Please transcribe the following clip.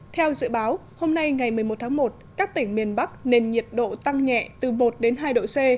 theo dự báo hôm nay ngày một mươi một tháng một các tỉnh miền bắc nền nhiệt độ tăng nhẹ từ một đến hai độ c